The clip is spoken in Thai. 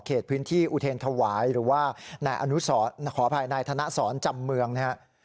เขตพื้นที่อุทีนถวายหรือว่าขออภัยในธนสรรจำเมืองนะครับ